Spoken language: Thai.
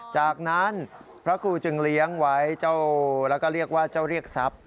จากนั้นพระครูจึงเลี้ยงไว้เจ้าแล้วก็เรียกว่าเจ้าเรียกทรัพย์